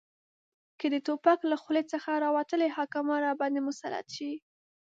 که د توپک له خولې څخه راوتلي حاکمان راباندې مسلط شي